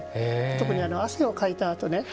特に汗をかいた後ね